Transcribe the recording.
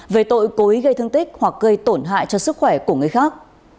về tội cối gây thương tích hoặc gây tổn hại cho sức khỏe của người khác